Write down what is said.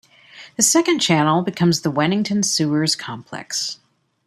The second channel becomes the Wennington Sewers complex.